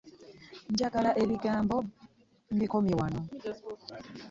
Njagala ebigambo mbikomye wano.